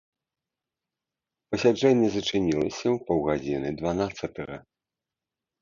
Пасяджэнне зачынілася ў паўгадзіны дванаццатага.